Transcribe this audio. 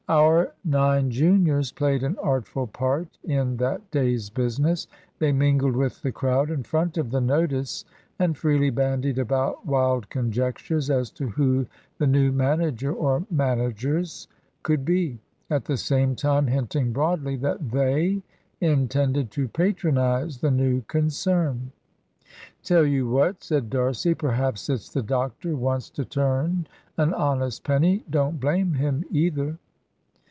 Our nine juniors played an artful part in that day's business. They mingled with the crowd in front of the notice, and freely bandied about wild conjectures as to who the new manager or managers could be, at the same time hinting broadly that they intended to patronise the new concern. "Tell you what," said D'Arcy, "perhaps it's the doctor wants to turn an honest penny. Don't blame him either."